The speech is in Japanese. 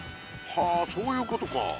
はあそういうことか。